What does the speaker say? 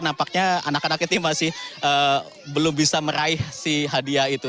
nampaknya anak anak ini masih belum bisa meraih si hadiah itu